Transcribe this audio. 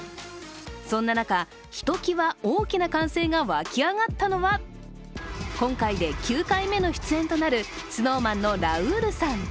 そんな中、ひときわ、大きな歓声が沸き上がったのは今回で９回目の出演となるＳｎｏｗＭａｎのラウールさん。